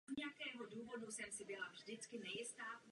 Jeho cílem je zavést ve Spojených státech angličtinu jako úřední jazyk.